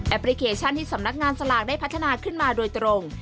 พลิเคชันที่สำนักงานสลากได้พัฒนาขึ้นมาโดยตรง